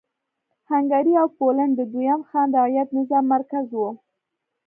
هنګري او پولنډ د دویم خان رعیت نظام مرکز و.